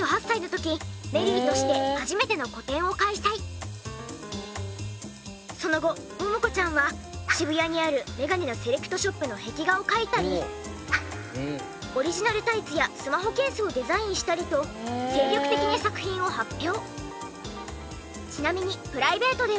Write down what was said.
ちゃんとその後桃子ちゃんは渋谷にあるメガネのセレクトショップの壁画を描いたりオリジナルタイツやスマホケースをデザインしたりと精力的に作品を発表。